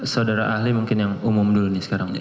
saudara ahli mungkin yang umum dulu nih sekarang